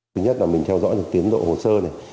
thứ nhất là mình theo dõi được tiến độ hồ sơ này